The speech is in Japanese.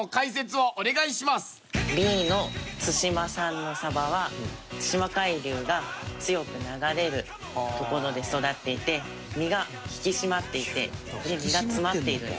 Ｂの対馬産のサバは対馬海流が強く流れる所で育っていて身が引き締まっていて身が詰まっている。